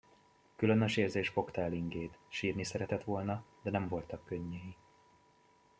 Különös érzés fogta el Ingét, sírni szeretett volna, de nem voltak könnyei.